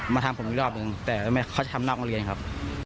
มาทำผมอีกรอบหนึ่งแต่เขาจะทำนอกโรงเรียนครับ